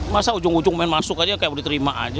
masa ujung ujung main masuk aja kayak diterima aja